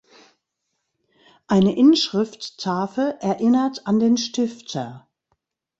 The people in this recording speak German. Eine Inschrifttafel erinnert an den Stifter.